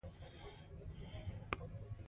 ځمکنی شکل د افغانستان د اجتماعي جوړښت برخه ده.